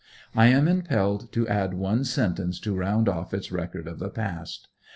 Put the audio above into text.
I am impelled to add one sentence to round off its record of the past.